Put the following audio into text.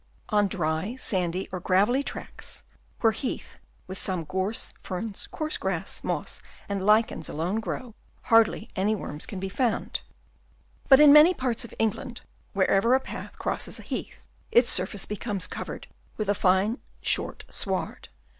On dry, sandy or gravelly tracks, where heath with some gorse, ferns, coarse grass, moss and lichens alone grow, hardly any worms can be found. But in many parts of England, wherever a path crosses a heath, its surface becomes covered with a fine short sward.